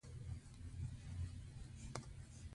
د پښتنو په کلتور کې د ملي ارزښتونو ساتنه کیږي.